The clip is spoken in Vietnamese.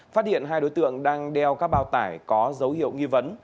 phát hiện hai đối tượng đang đeo các bao tải có dấu hiệu nghi vấn